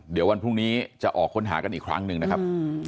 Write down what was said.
เดี๋ยววันพรุ่งนี้จะออกค้นหากันอีกครั้งหนึ่งนะครับ